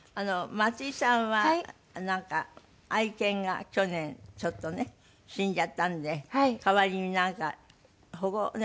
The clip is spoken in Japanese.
松居さんはなんか愛犬が去年ちょっとね死んじゃったんで代わりになんか保護猫？